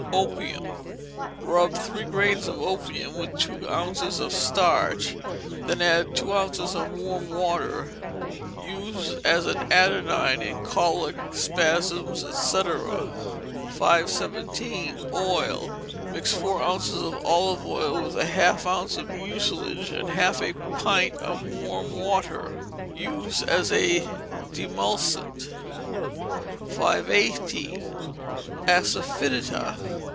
Opium. Rub three grains of opium with two ounces of starch, then add two ounces of warm water. Use as an anodyne in colic, spasms, &c. 517. Oil. Mix four ounces of olive oil with half an ounce of mucilage and half a pint of warm water. Use as a demulcent. 518. Asafoetida.